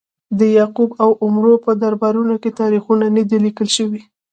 د یعقوب او عمرو په دربارونو کې تاریخونه نه دي لیکل شوي.